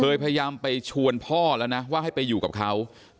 ตอนนั้นเขาก็เลยรีบวิ่งออกมาดูตอนนั้นเขาก็เลยรีบวิ่งออกมาดู